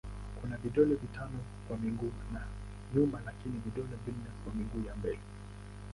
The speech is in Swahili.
Kuna vidole vitano kwa miguu ya nyuma lakini vidole vinne kwa miguu ya mbele.